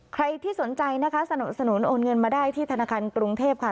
ใครที่สนใจนะคะสนับสนุนโอนเงินมาได้ที่ธนาคารกรุงเทพค่ะ